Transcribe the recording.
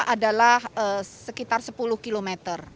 adalah sekitar sepuluh km